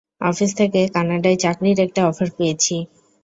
Office থেকে কানাডায় চাকরির একটা অফার পেয়েছি।